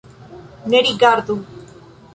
Ne rigardu!